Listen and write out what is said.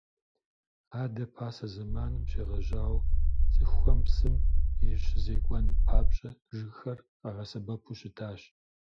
Адэ пасэ зэманым щегъэжьауэ цӏыхухэм псым ирищызекӏуэн папщӏэ жыгхэр къагъэсэбэпу щытащ.